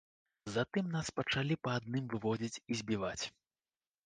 Затым нас пачалі па адным выводзіць і збіваць.